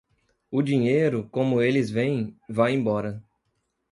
O dinheiro, como eles vêm, vai embora.